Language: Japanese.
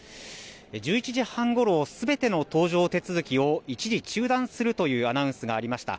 １１時半ごろすべての搭乗手続きを一時中断するというアナウンスがありました。